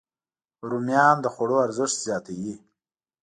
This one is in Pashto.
رومیان د خوړو ارزښت زیاتوي